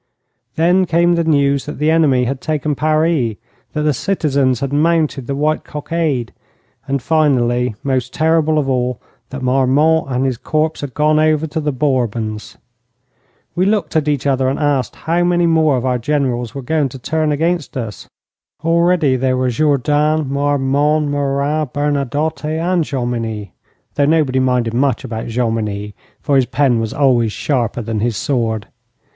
Then came the news that the enemy had taken Paris, that the citizens had mounted the white cockade; and finally, most terrible of all, that Marmont and his corps had gone over to the Bourbons. We looked at each other and asked how many more of our generals were going to turn against us. Already there were Jourdan, Marmont, Murat, Bernadotte, and Jomini though nobody minded much about Jomini, for his pen was always sharper than his sword.